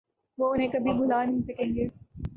وہ انہیں کبھی بھلا نہیں سکیں گے۔